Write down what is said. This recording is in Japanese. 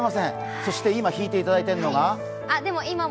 そして今、弾いていただいているのが？